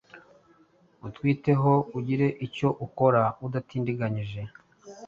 utwiteho ugire icyo ukora udatindiganyije!